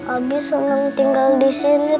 abi seneng tinggal disini